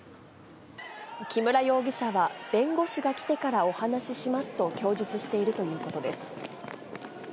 木村容疑者は、弁護士が来てからお話ししますと供述しているということです。